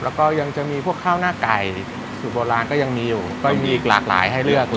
แล้วก็ยังจะมีพวกข้าวหน้าไก่สูตรโบราณก็ยังมีอยู่ก็ยังมีอีกหลากหลายให้เลือกเลย